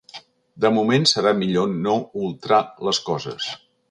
De moment, serà millor no ultrar les coses.